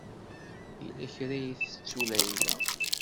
Yella kra ay tettu Layla.